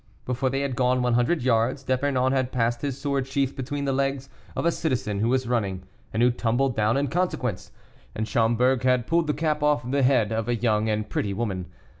Before they had gone one hundred yards D'Epernon had passed his sword sheath between the legs of a citizen who was running, and who tumbled down in consequence, and Schomberg had pulled the cap off the head of a young and pretty woman.